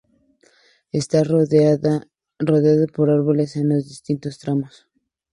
Está rodeado por árboles en los distintos tramos.